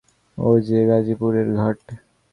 ও-যে গাজিপুরের ঘাট।